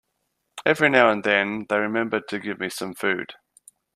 Every now and then they remember to give me some food.